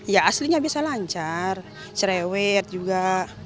ya aslinya bisa lancar cerewet juga